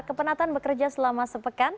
kepenatan bekerja selama sepekan